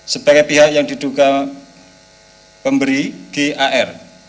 sebagai pihak yang diduga pemberi gar